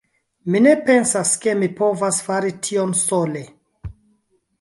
Mi ne pensas ke mi povas fari tion sole.